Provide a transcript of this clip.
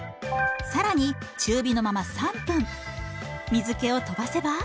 更に中火のまま３分水けを飛ばせば。